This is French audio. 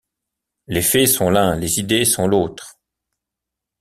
Les faits sont l’un, les idées sont l’autre.